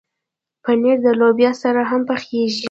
پنېر د لوبیا سره هم پخېږي.